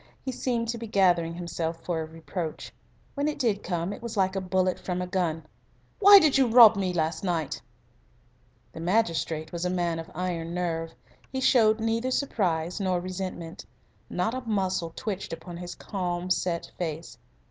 He seemed to be gathering himself for a reproach. When it did come it was like a bullet from a gun. "Why did you rob me last night?" The magistrate was a man of iron nerve. He showed neither surprise nor resentment. Not a muscle twitched upon his calm, set face.